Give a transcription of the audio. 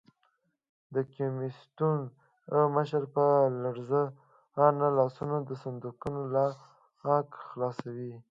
د کمېسیون مشر په لړزانه لاسونو د صندوقونو لاک خلاصوي.